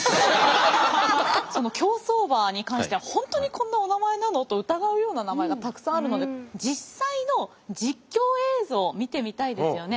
その競走馬に関しては本当にこんなおなまえなの？と疑うような名前がたくさんあるので実際の実況映像見てみたいですよね。